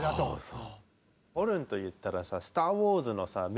そう。